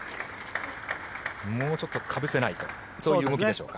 もうちょっとかぶせないとという動きでしょうか。